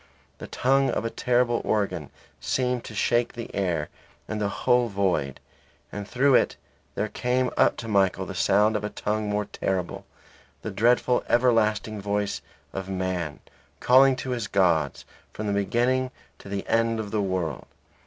The tongue of a terrible organ seemed to shake the very air in the whole void; and through it there came up to Michael the sound of a tongue more terrible; the dreadful everlasting voice of man, calling to his gods from the beginning to the end of the world.